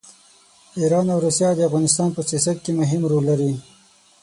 ایران او روسیه د افغانستان په سیاست کې مهم رول لري.